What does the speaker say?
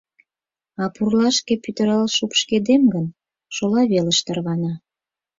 А пурлашке пӱтырал шупшкедем гын, шола велыш тарвана.